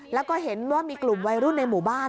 แล้วก็เห็นว่ามีกลุ่มวัยรุ่นในหมู่บ้าน